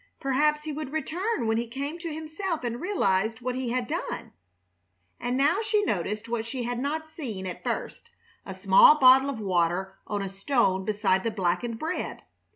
Perhaps he would return when he came to himself and realized what he had done. And now she noticed what she had not seen at first a small bottle of water on a stone beside the blackened bread.